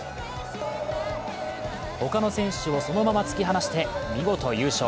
他の選手をそのまま突き放して見事優勝。